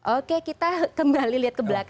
oke kita kembali lihat ke belakang